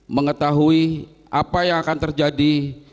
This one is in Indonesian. mengetahui apa yang akan terjadi